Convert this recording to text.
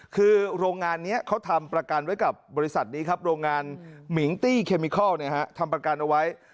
คือโรงงานนี้เขาทำประกันไว้กับบริษัทนี้ครับโรงงานมิงตี้เคมิคอลทำประกันเอาไว้